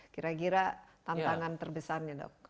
kira kira tantangan terbesarnya dok